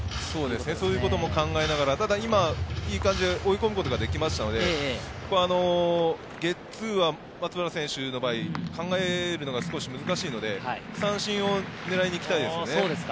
そういうことも考えながら、今いい感じで追い込むことができたので、ゲッツーは松原選手の場合、考えるのが少し難しいので、三振を狙いに行きたいですよね。